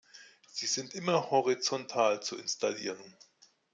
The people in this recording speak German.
Sie sind immer horizontal zu installieren.